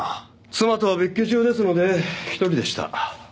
妻とは別居中ですので１人でした。